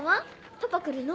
パパ来るの？